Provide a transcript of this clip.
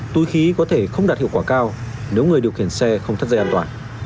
túi khí có thể không đạt hiệu quả cao nếu người điều khiển xe không thắt dây an toàn